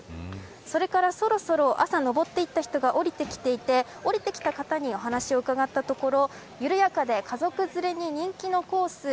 それから、そろそろ朝登っていった人が下りてきていて下りてきた方にお話を伺ったところ緩やかで家族連れに人気のコース